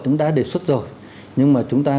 chúng ta đề xuất rồi nhưng mà chúng ta